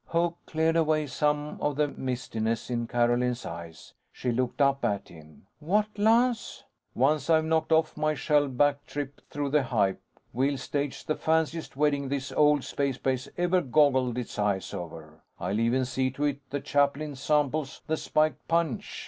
Hope cleared away some of the mistiness in Carolyn's eyes. She looked up at him. "What, Lance?" "Once I've knocked off my shell back trip through the hype, we'll stage the fanciest wedding this old space base ever goggled its eyes over. I'll even see to it, the chaplain samples the spiked punch.